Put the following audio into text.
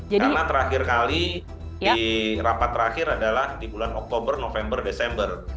karena terakhir kali rapat terakhir adalah di bulan oktober november desember